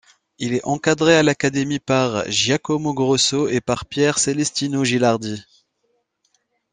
Il est encadré à l'Académie par Giacomo Grosso et par Pier Celestino Gilardi.